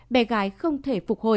bé gái không thể phục hồi